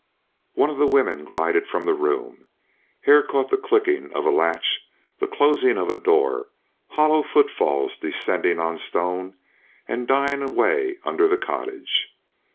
One of the women glided from the room. Hare caught the clicking of a latch, the closing of a door, hollow footfalls descending on stone, and dying away under the cottage.